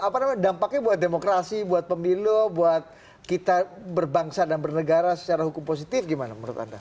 apa namanya dampaknya buat demokrasi buat pemilu buat kita berbangsa dan bernegara secara hukum positif gimana menurut anda